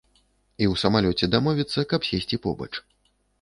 І ў самалёце дамовіцца, каб сесці побач.